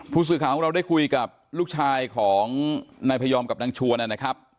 ผู้สื่อข่าวของเราได้คุยกับลูกชายของนายพยอมกับนางชวนนะครับ